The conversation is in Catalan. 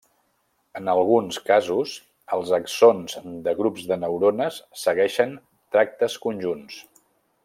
En alguns casos, els axons de grups de neurones segueixen tractes conjunts.